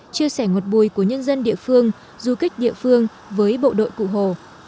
chia sẻ ngọn bùi của nhân dân địa phương du kích địa phương với bộ đội cụ hồ